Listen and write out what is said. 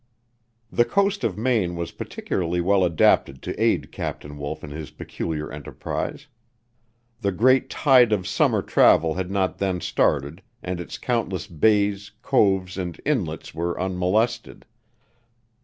The coast of Maine was particularly well adapted to aid Captain Wolf in his peculiar enterprise. The great tide of summer travel had not then started and its countless bays, coves and inlets were unmolested.